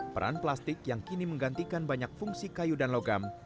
peran plastik yang kini menggantikan banyak fungsi kayu dan logam